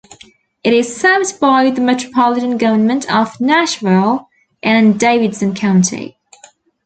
It is served by the Metropolitan Government of Nashville and Davidson County.